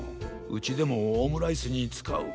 うちでもオムライスにつかう。